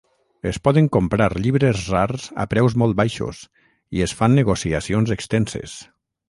Es poden comprar llibres rars a preus molt baixos, i es fan negociacions extenses.